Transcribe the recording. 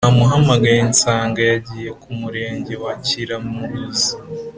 Namuhamagaye nsanga yagiye kumurenge wa kiramuruzi